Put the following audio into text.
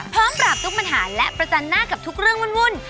ปราบทุกปัญหาและประจันหน้ากับทุกเรื่องวุ่น